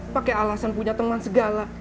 pakai alasan punya teman segala